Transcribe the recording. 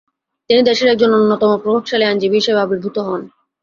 তিনি দেশের একজন অন্যতম প্রভাবশালী আইনজীবী হিসেবে আবির্ভূত হন।